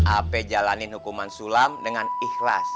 ap jalanin hukuman sulam dengan ikhlas